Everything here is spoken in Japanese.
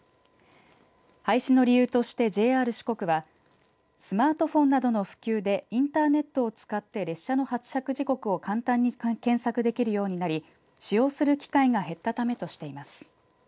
廃止の理由としてＪＲ四国はスマートフォンなどの普及でインターネットを使って列車の発着時刻を簡単に検索できるようになり使用する機会が減ったためとしています。